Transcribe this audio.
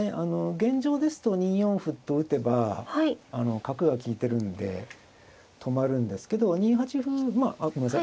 現状ですと２四歩と打てば角が利いてるんで止まるんですけど２八歩ごめんなさい。